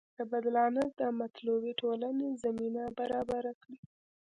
دا بدلانه د مطلوبې ټولنې زمینه برابره کړي.